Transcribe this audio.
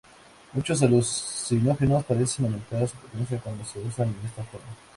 Muchos alucinógenos parecen aumentar su potencial cuando se usan en esta forma.